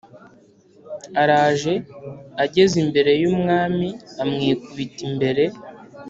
araje Ageze imbere y umwami amwikubita imbere